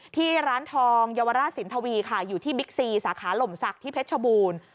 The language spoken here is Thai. ที่ร้านทองเยาวราชสินทวีค่ะอยู่ที่บิ๊กซีสาขาหล่มศักดิ์ที่เพชรชบูรณ์